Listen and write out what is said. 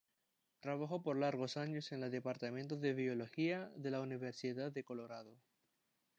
Trabajó por largos años en el "Departamento de Biología", de la Universidad de Colorado.